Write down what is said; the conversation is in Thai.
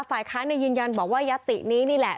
ฝ่ายค้านยืนยันบอกว่ายัตตินี้นี่แหละ